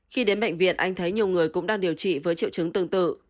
khi đến bệnh viện anh thấy nhiều người cũng đang điều trị với triệu chứng tương tự